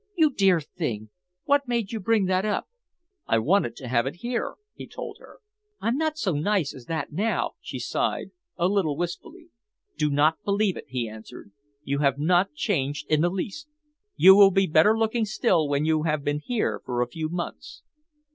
"You dear thing! What made you bring that up?" "I wanted to have it here," he told her. "I'm not so nice as that now," she sighed, a little wistfully. "Do not believe it," he answered. "You have not changed in the least. You will be better looking still when you have been here for a few months."